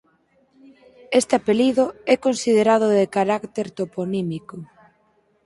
Este apelido é considerado de carácter toponímico.